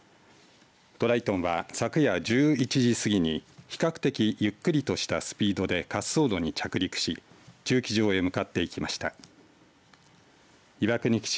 トライトンは、昨夜１１時過ぎに比較的ゆっくりとしたスピードで滑走路に着陸し駐機場へ向かってきました。